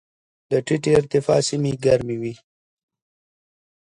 د ټیټې ارتفاع سیمې ګرمې وي.